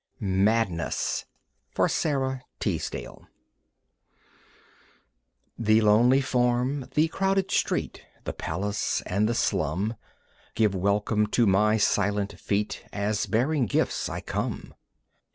Madness (For Sara Teasdale) The lonely farm, the crowded street, The palace and the slum, Give welcome to my silent feet As, bearing gifts, I come.